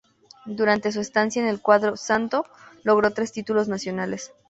Durante su estancia en el cuadro "santo" logró tres títulos nacionales.